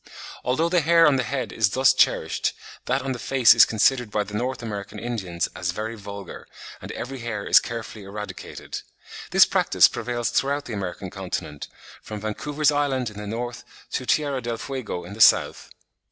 Although the hair on the head is thus cherished, that on the face is considered by the North American Indians "as very vulgar," and every hair is carefully eradicated. This practice prevails throughout the American continent from Vancouver's Island in the north to Tierra del Fuego in the south.